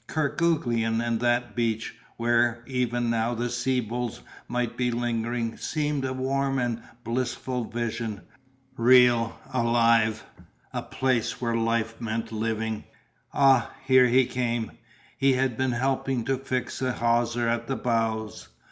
Kerguelen and that beach, where, even now, the sea bulls might be lingering, seemed a warm and blissful vision, real, alive, a place where life meant living. Ah, here he came. He had been helping to fix a hawser at the bows.